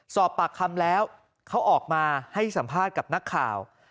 สอบปากคำแล้วเขาออกมาให้สัมภาษณ์กับนักข่าว